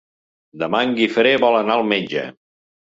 Demà en Guifré vol anar al metge.